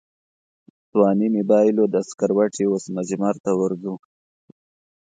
ځواني مې بایلوده سکروټې اوس مجمرته ورځو